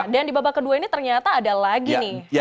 dan di babak kedua ini ternyata ada lagi handball ya